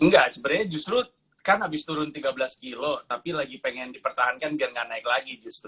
enggak sebenarnya justru kan habis turun tiga belas kilo tapi lagi pengen dipertahankan biar nggak naik lagi justru